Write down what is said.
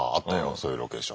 そういうロケーション。